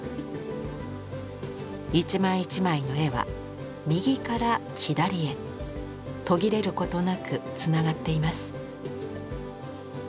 一枚一枚の絵は右から左へ途切れることなくつながっています。